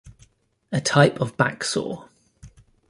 A type of backsaw.